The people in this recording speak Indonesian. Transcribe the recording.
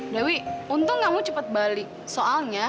dewi untung kamu cepat balik soalnya